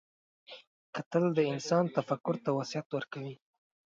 کتل د انسان تفکر ته وسعت ورکوي